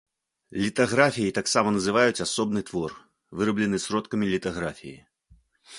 Літаграфіяй таксама называюць асобны твор, выраблены сродкамі літаграфіі.